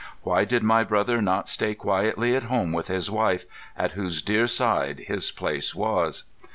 Why did my brother not stay quietly at home with his wife, at whose deare side his place was?